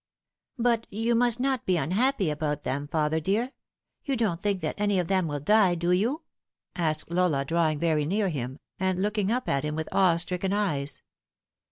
" But you must not be unhappy about them, father dear. You don't think that any of them will die, do you ?" asked Lola, drawing very near him, and looking up at him with awe stricken eyes.